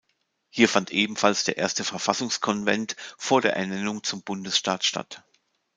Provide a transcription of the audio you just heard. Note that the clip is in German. Hier fand ebenfalls der erste Verfassungskonvent vor der Ernennung zum Bundesstaat statt.